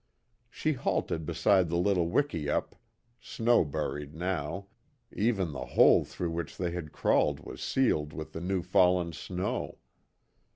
She halted beside the little wikiup, snow buried, now even the hole through which they had crawled was sealed with the new fallen snow.